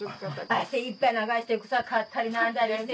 汗いっぱい流して草刈ったり何だりして。